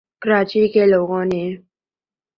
کراچی کے لوگوں نے